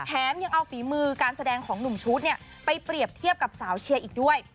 แถมยังเอาฝีมือการแสดงของหนุ่มชุดไปเปรียบเทียบกับสาวเชียร์อีกด้วย